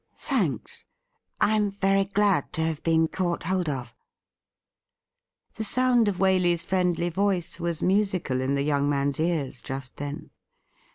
' Thanks. I'm very glad to have been caught hold of The sound of Waley's friendly voice was musical in the young man's ears just then.